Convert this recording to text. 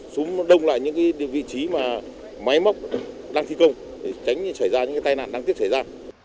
súng đông lại những vị trí mà máy móc đang thi công để tránh những tai nạn đang tiếp xảy ra